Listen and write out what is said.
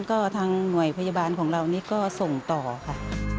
ก็ทางหน่วยพยาบาลของเรานี่ก็ส่งต่อค่ะ